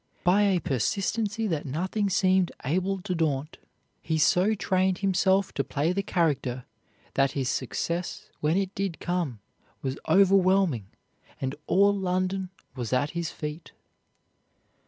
By a persistency that nothing seemed able to daunt, he so trained himself to play the character that his success, when it did come, was overwhelming, and all London was at his feet.